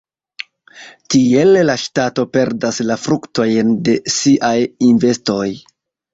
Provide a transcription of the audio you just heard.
Tiele la ŝtato perdas la fruktojn de siaj investoj.